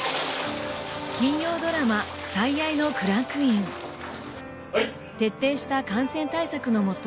金曜ドラマ「最愛」のクランクイン徹底した感染対策のもと